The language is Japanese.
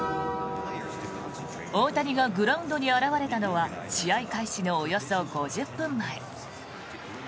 大谷がグラウンドに現れたのは試合開始のおよそ５０分前。